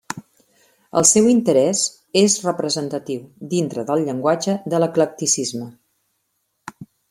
El seu interès és representatiu, dintre del llenguatge de l'eclecticisme.